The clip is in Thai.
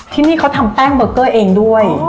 ที่นี่เขาทำแป้งเบอร์เกอร์เองด้วย